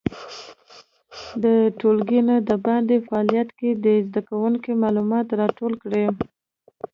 د ټولګي نه د باندې فعالیت کې دې زده کوونکي معلومات راټول کړي.